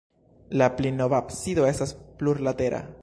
La pli nova absido estas plurlatera.